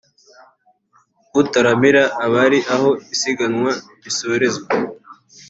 utaramira abari aho isiganwa risorezwa